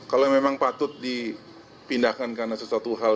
kalau memang patut dipindahkan karena sesuatu hal